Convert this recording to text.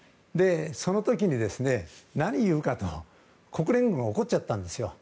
その時に、何を言うかと国連軍が怒っちゃったんですよ。